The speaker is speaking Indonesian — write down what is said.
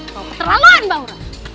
kau keterlaluan baulah